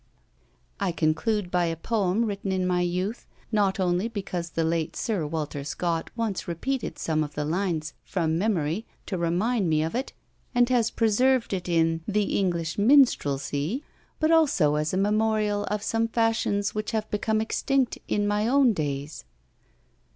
I conclude by a poem, written in my youth, not only because the late Sir Walter Scott once repeated some of the lines, from memory, to remind me of it, and has preserved it in "The English Minstrelsy," but also as a memorial of some fashions which have become extinct in my own days.